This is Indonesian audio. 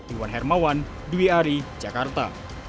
iwan hermawan dwi ari jakarta